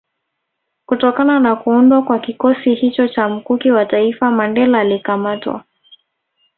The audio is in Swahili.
Kutokana na kuundwa kwa kikosi hicho cha Mkuki wa taifa Mandela alikamatwa